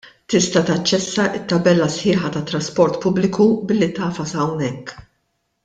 Tista' taċċessa t-tabella sħiħa tat-trasport pubbliku billi tagħfas hawnhekk.